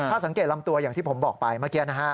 ถ้าสังเกตลำตัวอย่างที่ผมบอกไปเมื่อกี้นะฮะ